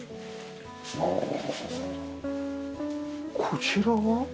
こちらは？